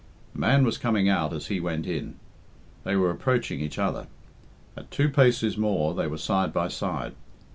The man was coming out as he went in. They were approaching each other. At two paces more they were side by side.